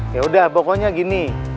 yaudah pokoknya gini